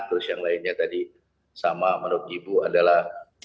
terus yang lainnya tadi sama menurut ibu adalah